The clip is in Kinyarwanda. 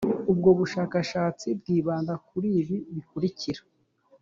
ubwo bushakashatsi bwibanda kuri ibi bikurikira